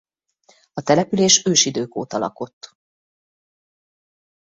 A település ősidők óta lakott.